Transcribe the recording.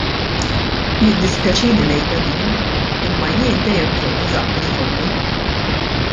Jiddispjaċini ngħidha din, imma jien dejjem kont ta' żaqqi f'fommi.